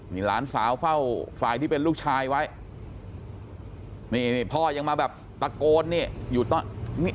หลานสาวเฝ้าฝ่ายที่เป็นลูกชายไว้พ่อยังมาแบบตะโกนอยู่ต้น